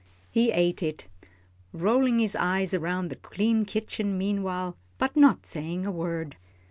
He ate it, rolling his eyes around the clean kitchen meanwhile, but not saying a word.